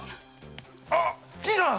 あっ新さん！